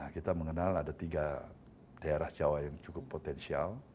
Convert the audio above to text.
kita mengenal ada tiga daerah jawa yang cukup potensial